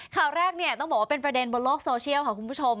คราวแรกต้องบอกเป็นประเดงบลงโลกโซเชียลของคุณผู้ชม